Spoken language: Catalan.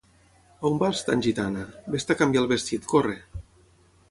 On vas, tan gitana?: ves-te a canviar el vestit, corre!